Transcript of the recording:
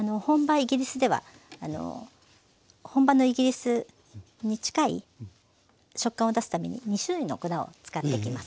イギリスでは本場のイギリスに近い食感を出すために２種類の粉を使っていきます。